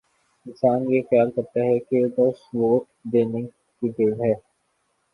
انسان یہ خیال کرتا ہے کہ بس ووٹ دینے کی دیر ہے۔